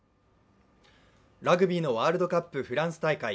ラグビーのワールドカップフランス大会。